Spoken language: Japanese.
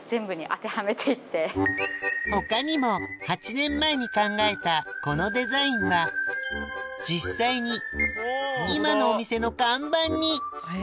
他にも８年前に考えたこのデザインは実際に今のお店の看板に！